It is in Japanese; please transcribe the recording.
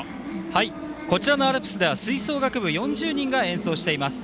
こちらのアルプスでは吹奏楽部４０人が演奏しています。